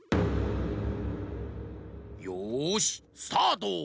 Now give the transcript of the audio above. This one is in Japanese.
よしスタート！